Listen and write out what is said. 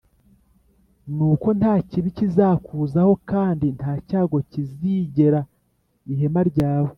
nuko nta kibi kizakuzaho, kandi nta cyago kizegera ihema ryawe.